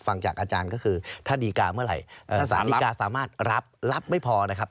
ฟังจากอาจารย์ก็คือถ้าดีการ์เมื่อไหร่สารดีกาสามารถรับรับไม่พอนะครับ